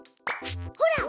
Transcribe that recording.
ほら！